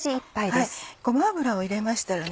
ごま油を入れましたら